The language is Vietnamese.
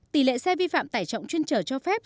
tỷ lệ xe vi phạm tải trọng chuyên trở cho phép